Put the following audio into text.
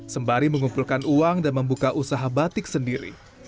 sembari mengumpulkan uang dan membuka usaha batik sendiri